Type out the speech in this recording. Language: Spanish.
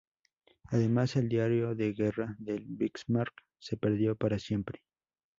Además, el diario de guerra del "Bismarck" se perdió para siempre.